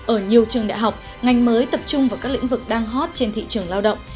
ở nhiều trường đại học ngành mới tập trung vào các lĩnh vực đang hot trên thị trường lao động